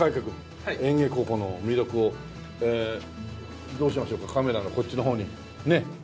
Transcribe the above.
君園芸高校の魅力をどうしましょうかカメラのこっちの方にねっ。